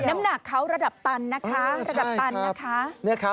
น้ำหนักเขาระดับตันนะคะ